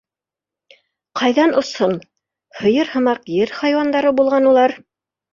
Ҡайҙан осһон! һыйыр мыһаҡ, ер хайуандары буған улар.